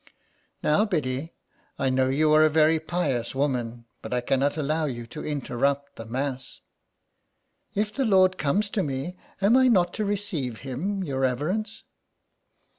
"Now Biddy, I know you are a very pious woman, but I cannot allow you to interrupt the Mass," *' If the Lord comes to me am I not to receive Him, your reverence?"